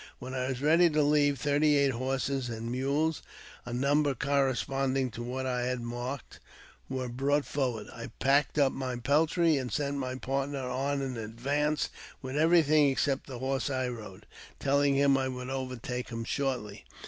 When I was ready to leave, thirty eight horses and mules, a number corresponding to what I had marked, were brought forward. I packed up my peltry, and sent my partner on in advance with everything except the horse I rode, telling him I would overtake him shortly.